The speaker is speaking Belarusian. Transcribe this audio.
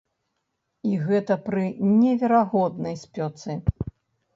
І гэта пры неверагоднай спёцы.